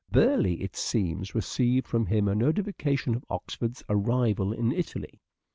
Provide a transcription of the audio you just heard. Burleigh, it seems, received from him a notification of Oxford's arrival in Italy.